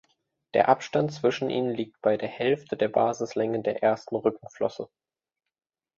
Der Abstand zwischen ihnen liegt bei der Hälfte der Basislänge der ersten Rückenflosse.